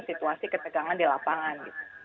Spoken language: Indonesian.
situasi ketegangan di lapangan